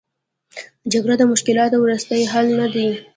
جګړه د مشکلاتو وروستۍ حل نه دی.